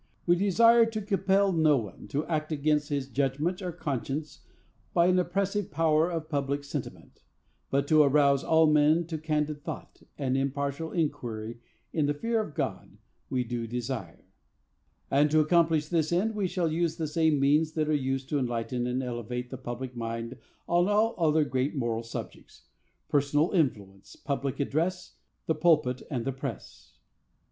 We desire to compel no one to act against his judgment or conscience by an oppressive power of public sentiment; but to arouse all men to candid thought, and impartial inquiry in the fear of God, we do desire. And, to accomplish this end, we shall use the same means that are used to enlighten and elevate the public mind on all other great moral subjects,—personal influence, public address, the pulpit and the press.